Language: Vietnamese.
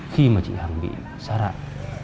khi mà chị hằng bị sát hại